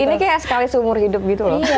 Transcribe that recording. ini kayak sekali seumur hidup gitu loh